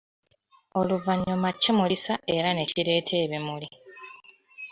Oluvanyuma kimulisa era nekireeta ebimuli.